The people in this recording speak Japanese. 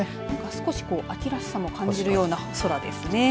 少し秋らしさも感じるような空ですね。